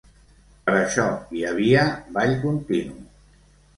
Per això hi havia ball continu.